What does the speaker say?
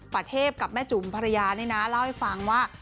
ประเทศกับแม่จุ๋มภรรยานี่นะเล่าให้ฟังว่า